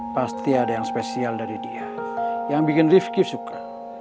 pasti ada yang spesial dari dia yang bikin rifqi suka